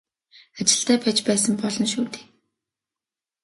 Ажилтай байж байсан болно шүү дээ.